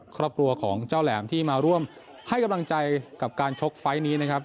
ครอบครัวของเจ้าแหลมที่มาร่วมให้กำลังใจกับการชกไฟล์นี้นะครับ